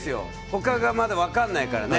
他がまだ分からないから。